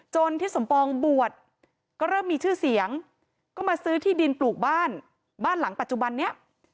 ทิศสมปองบวชก็เริ่มมีชื่อเสียงก็มาซื้อที่ดินปลูกบ้านบ้านหลังปัจจุบันนี้